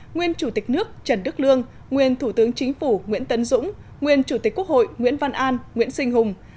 nguyên chủ tịch nước trần đức lương nguyên thủ tướng chính phủ nguyễn tấn dũng nguyên chủ tịch quốc hội nguyễn văn an nguyễn sinh hùng